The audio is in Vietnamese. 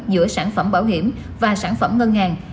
giữa sản phẩm bảo hiểm và sản phẩm ngân hàng